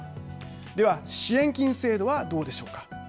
では支援金制度はどうでしょうか。